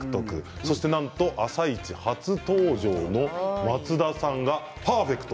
なんと「あさイチ」初登場の松田さんが、パーフェクト。